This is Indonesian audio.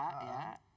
kalau saya argumennya a